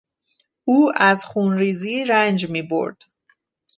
او از خونریزی رنج میبرد.